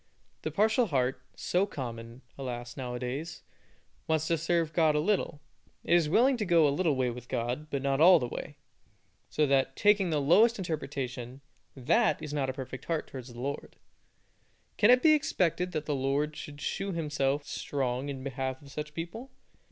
The partial heart, so common, alas, now a days, wants to serve God a little. It is willing to go a little way with God, but not all the way; so that, taking the lowest interpretation, that is not a perfect heart towards the Lord. Can it be expected that the Lord should shew Himself strong in behalf of such people?